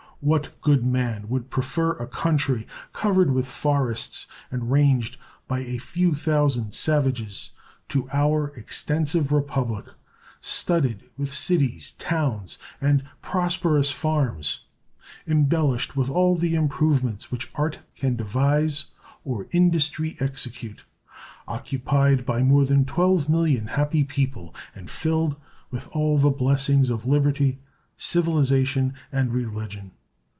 What good man would prefer a country covered with forests and ranged by a few thousand savages to our extensive Republic, studded with cities, towns, and prosperous farms, embellished with all the improvements which art can devise or industry execute, occupied by more than 12,000,000 happy people, and filled with all the blessings of liberty, civilization, and religion?